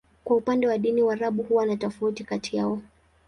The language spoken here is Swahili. Kwa upande wa dini, Waarabu huwa na tofauti kati yao.